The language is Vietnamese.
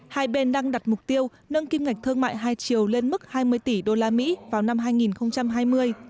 hai bên đang đặt mục tiêu nâng kim ngạch thương mại hai triệu lên mức hai mươi tỷ đô la mỹ vào năm hai nghìn hai mươi